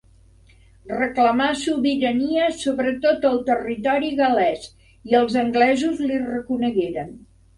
Reclamà sobirania sobre tot el territori gal·lès, i els anglesos li reconegueren.